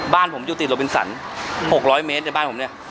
บ้านผมอยู่ติดโรบินสัน๖๐๐เมตรในบ้านผมเนี่ย